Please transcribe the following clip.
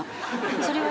それはね